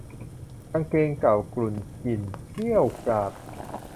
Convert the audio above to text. กางเกงเก่ากรุ่นกลิ่นเกรี้ยวกราด